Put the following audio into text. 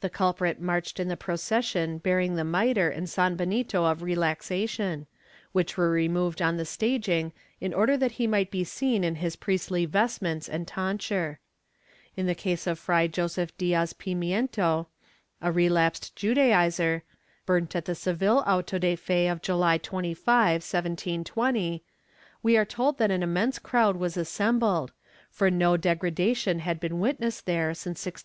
The culprit marched in the procession bearing the mitre and san benito of relaxation, which were removed on the staging in order that he might be seen in his priestly vestments and tonsure. In the case of Fray Joseph Diaz Pimiento, a relapsed Judaizer, burnt at the Seville auto de fe of July 25, 1720, we are told that an immense crowd was assembled, for no degradation had been wit nessed there since 1623.